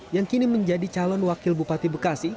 yang kini menjadi calon wakil bupati bekasi